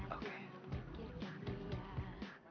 dia mau ajakin gabung